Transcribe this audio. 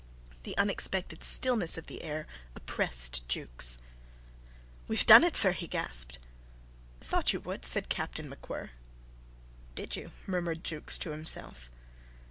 The unexpected stillness of the air oppressed Jukes. "We have done it, sir," he gasped. "Thought you would," said Captain MacWhirr. "Did you?" murmured Jukes to himself.